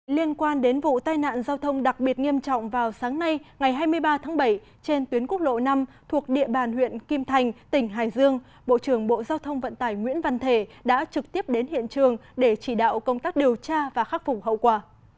liên quan đến vụ tai nạn giao thông đặc biệt nghiêm trọng vào sáng nay ngày hai mươi ba tháng bảy trên tuyến quốc lộ năm thuộc địa bàn huyện kim thành tỉnh hải dương bộ trưởng bộ giao thông vận tải nguyễn văn thể đã trực tiếp đến hiện trường để chỉ đạo công tác điều tra và khắc phục hậu quả